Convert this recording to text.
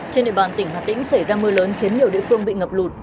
trên địa bàn tỉnh hà tĩnh xảy ra mưa lớn khiến nhiều địa phương bị ngập lụt